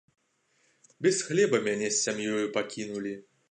Без хлеба мяне з сям'ёю пакінулі.